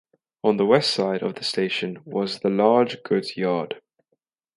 On the west side of the station was the large goods yard.